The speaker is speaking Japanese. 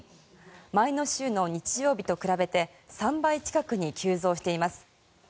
前の週の日曜日と比べて３倍近くに急増しています。